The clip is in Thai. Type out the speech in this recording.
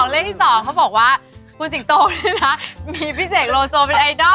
เลขที่๒เขาบอกว่าคุณสิงโตนี่นะมีพี่เสกโลโซเป็นไอดอล